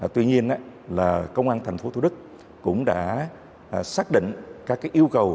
tuy nhiên là công an thành phố thủ đức cũng đã xác định các cái yêu cầu